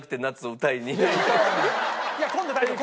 いや今度は大丈夫。